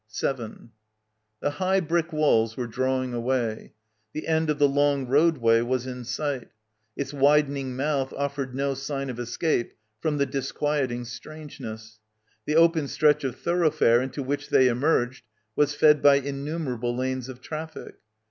7 The high brick walls were drawing away. The end of the long roadway was in sight. Its widen ing mouth offered no sign of escape from the dis quieting strangeness. The open stretch of thor oughfare into which they emerged was fed by in numerable lanes of traffic.